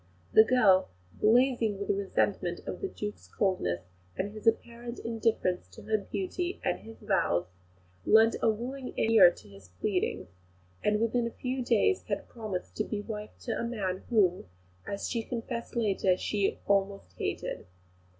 The girl, blazing with resentment of the Duke's coldness, and his apparent indifference to her beauty and his vows, lent a willing ear to his pleadings, and within a few days had promised to be wife to a man whom, as she confessed later, she "almost hated."